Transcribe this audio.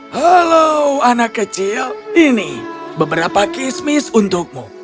halo anak kecil ini beberapa kismis untukmu